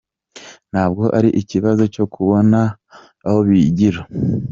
Ntabwo ari ikibazo cyo kubona aho bigira ".